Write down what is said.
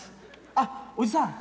あっおじさん